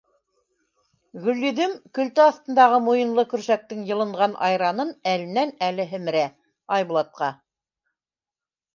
Гөлйөҙөм, көлтә аҫтындағы муйынлы көршәктең йылынған айранын әленән-әле һемерә, Айбулатҡа: